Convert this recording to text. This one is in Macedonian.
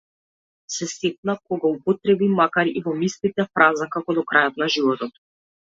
Се сепна кога употреби, макар и во мислите, фраза како до крајот на животот.